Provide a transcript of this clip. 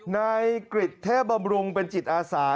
นายกริจเทพบำรุงเป็นจิตอาสา